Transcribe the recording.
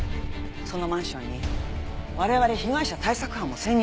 そのマンションに我々被害者対策班も潜入すべきです。